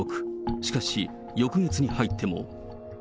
しかし、翌月に入っても。